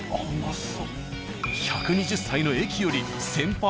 １２０歳の駅より先輩？